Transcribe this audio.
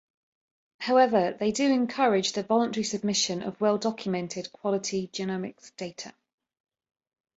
However, they do encourage the voluntary submission of well-documented, quality genomics data.